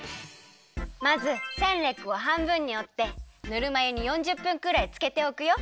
まずセンレックをはんぶんにおってぬるま湯に４０分くらいつけておくよ。